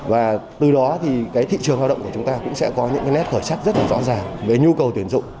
và từ đó thì cái thị trường lao động của chúng ta cũng sẽ có những cái nét khởi sắc rất là rõ ràng về nhu cầu tuyển dụng